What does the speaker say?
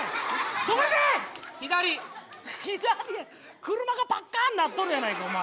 左車がパッカンなっとるやないかお前。